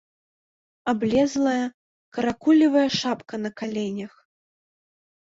Аблезлая каракулевая шапка на каленях.